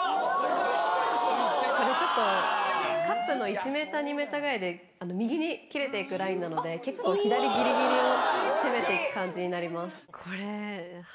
これちょっと、カップの１メーター、２メーターぐらいで右に切れていくラインなので、結構、左ぎりぎりを攻めていく感じになります。